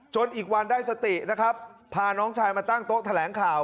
อีกวันได้สตินะครับพาน้องชายมาตั้งโต๊ะแถลงข่าว